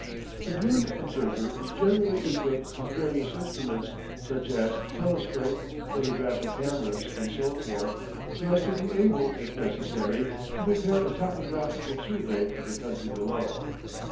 The balloon observer is generally equipped with various instruments, such as telescope, photographic cameras, and so forth, so as to be able, if necessary, to prepare a topographical survey of the country below.